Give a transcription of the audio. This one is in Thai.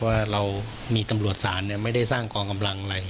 ว่าเรามีตำรวจศาลไม่ได้สร้างกองกำลังอะไร